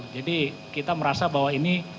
jadi kita merasa bahwa ini